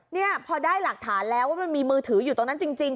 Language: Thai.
เนี่ยพอได้หลักฐานแล้วว่ามันมีมือถืออยู่ตรงนั้นจริง